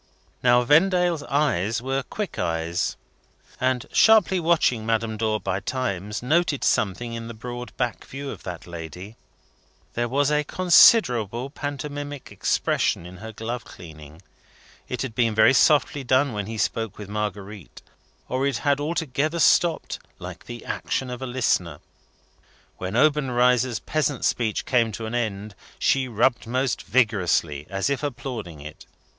Now, Vendale's eyes were quick eyes, and sharply watching Madame Dor by times, noted something in the broad back view of that lady. There was considerable pantomimic expression in her glove cleaning. It had been very softly done when he spoke with Marguerite, or it had altogether stopped, like the action of a listener. When Obenreizer's peasant speech came to an end, she rubbed most vigorously, as if applauding it.